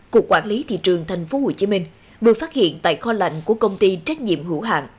cục quản lý thị trường tp hcm vừa phát hiện tại kho lạnh của công ty trách nhiệm hữu hạng